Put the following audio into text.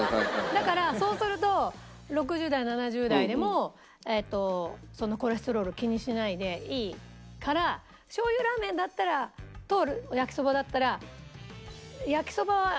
だからそうすると６０代７０代でもそんなコレステロールを気にしないでいいからしょう油ラーメンと焼きそばだったら。